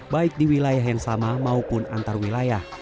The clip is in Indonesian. baik di wilayah yang sama maupun antar wilayah